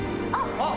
あっ！